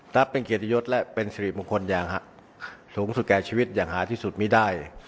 นับเป็นเกียรติยศและเป็นสิริมงคลอย่างสูงสุดแก่ชีวิตอย่างหาที่สุดมีได้